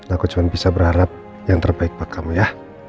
aku cuma bisa berharap yang terbaik buat kamu ya